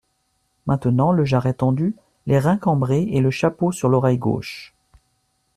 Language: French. Maintenant, le jarret tendu, les reins cambrés, et le chapeau sur l’oreille gauche.